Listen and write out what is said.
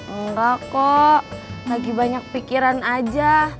enggak kok lagi banyak pikiran aja